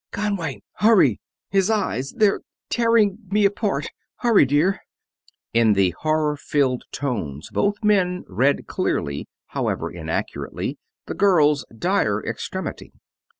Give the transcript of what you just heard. "Conway! Hurry! His eyes they're tearing me apart! Hurry, dear!" In the horror filled tones both men read clearly however inaccurately the girl's dire extremity.